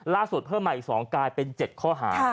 ล่าสุดเพิ่มมาอีก๒ก้ายเป็น๗ข้อหา